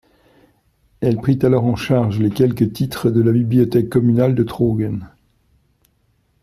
Elle prit alors en charge les quelque titres de la bibliothèque communale de Trogen.